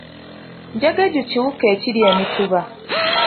Jjegeju kiwuka ekirya emituba.